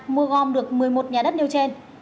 mua gom được một mươi một nhà đất nêu trên